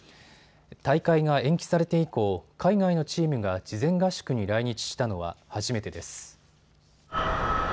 大会が延期されて以降、海外のチームが事前合宿に来日したのは初めてです。